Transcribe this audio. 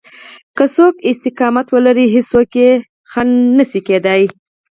که څوک استقامت ولري هېڅوک يې خنډ کېدای نشي.